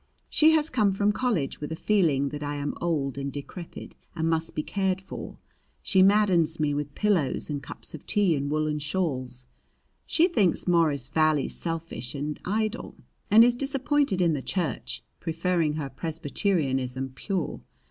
She has come from college with a feeling that I am old and decrepit and must be cared for. She maddens me with pillows and cups of tea and woolen shawls. She thinks Morris Valley selfish and idle, and is disappointed in the church, preferring her Presbyterianism pure.